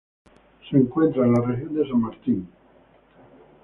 Se encuentra en la región San Martín.